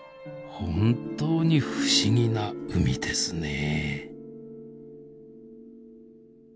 本当に不思議な海ですねえ。